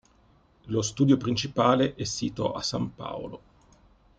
Lo studio principale è sito a San Paolo.